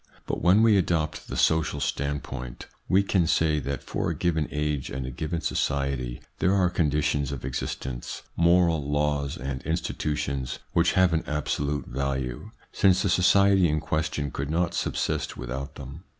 But when we adopt the social standpoint, we can say that for a given age and a given society there are conditions of existence, moral laws, and institutions which have an absolute value, since the society in question could not subsist without them.